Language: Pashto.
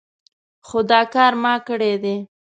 هو دا کار ما کړی دی.